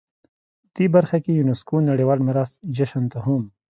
دې برخه کې یونسکو نړیوال میراث جشن ته هم